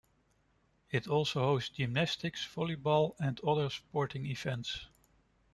It also hosts gymnastics, volleyball, and other sporting events.